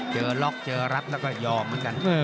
เจอล็อกเจอรัดแล้วก็ยอมเหมือนกัน